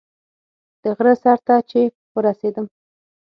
د غره سر ته چې ورسېدم.